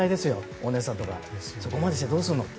お姉さんとかそこまでしてどうするのって。